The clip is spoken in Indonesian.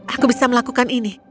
aku bisa melakukan ini